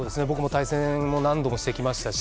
対戦何度もしてきましたし